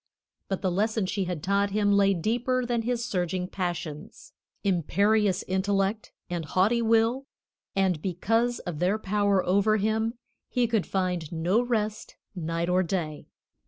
But the lesson she had taught him lay deeper than his surging passions, imperious intellect, and haughty will, and because of their power over him he could find no rest night or day.